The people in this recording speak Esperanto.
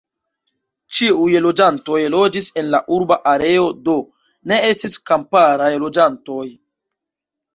Ĉiuj loĝantoj loĝis en la urba areo, do, ne estis kamparaj loĝantoj.